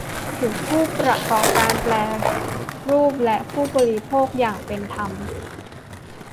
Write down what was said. ถึงผู้ประกอบการแปรรูปและผู้บริโภคอย่างเป็นธรรม